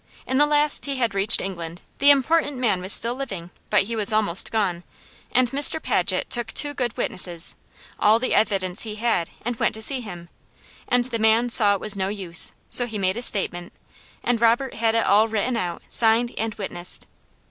In the last he had reached England, the important man was still living, but he was almost gone, and Mr. Paget took two good witnesses, all the evidence he had, and went to see him; and the man saw it was no use, so he made a statement, and Robert had it all written out, signed and witnessed.